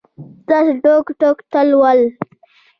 داسې ټوک ټوک تال ول